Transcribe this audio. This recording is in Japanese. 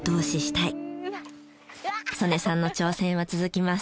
曽根さんの挑戦は続きます。